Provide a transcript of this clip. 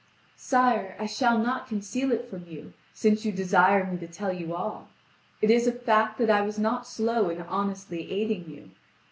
"Sire, I shall not conceal it from you, since you desire me to tell you all. It is a fact that I was not slow in honestly aiding you.